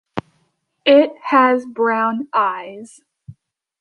It has brown eyes.